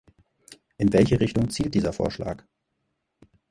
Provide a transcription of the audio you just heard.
In welche Richtung zielt dieser Vorschlag?